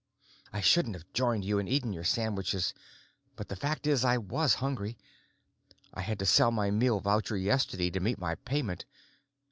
I shouldn't have joined you and eaten your sandwiches, but the fact is I was hungry. I had to sell my meal voucher yesterday to meet my payment.